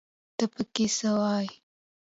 ته پکې څه وايې